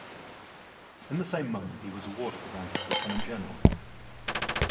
In the same month he was awarded the rank of Lieutenant General.